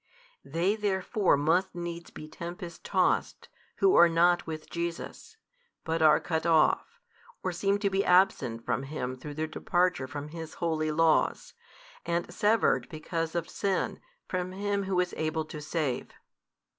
They therefore must needs be tempest tost, who are not with Jesus, but are cut off, or seem to be absent from |338 Him through their departure from His holy laws, and severed because of sin from Him Who is able to save.